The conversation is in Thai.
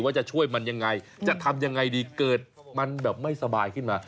ว่าจะช่วยมันยังไงจะทำยังไงดีเกิดมันแบบไม่สบายขึ้นมา